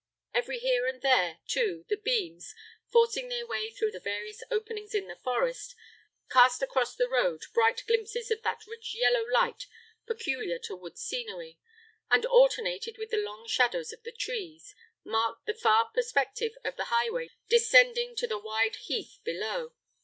Every here and there, too, the beams, forcing their way through the various openings in the forest, cast across the road bright glimpses of that rich yellow light peculiar to wood scenery, and, alternated with the long shadows of the trees, marked the far perspective of the highway descending to the wide heath below.